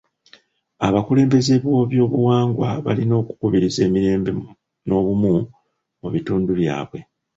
Abakulembeze bw'obuwangwa balina okukubiriza emirembe n'obumu mu bitundu byabwe.